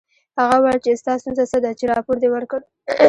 هغه وویل چې ستا ستونزه څه ده چې راپور دې ورکړ